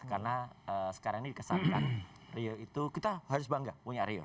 karena sekarang ini dikesan rio itu kita harus bangga punya rio